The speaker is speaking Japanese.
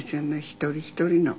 一人一人の。